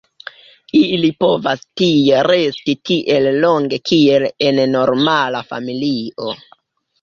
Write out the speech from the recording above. Ili povas tie resti tiel longe kiel en normala familio.